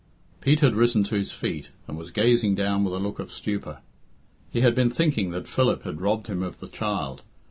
Pete had risen to his feet, and was gazing down with a look of stupor. He had been thinking that Philip had robbed him of the child.